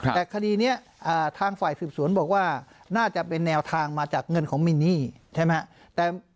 แต่คดีนี้ทางฝ่ายสืบสวนบอกว่าน่าจะเป็นแนวทางมาจากเงินของมินนี่ใช่ไหมครับ